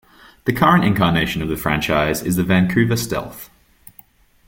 The current incarnation of the franchise is the Vancouver Stealth.